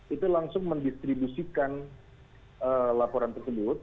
itu langsung mendistribusikan laporan tersebut